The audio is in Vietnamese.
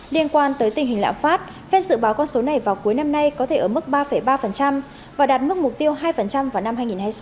liên quan tới tình hình lạm phát fed dự báo con số này vào cuối năm nay có thể ở mức ba ba và đạt mức mục tiêu hai vào năm hai nghìn hai mươi sáu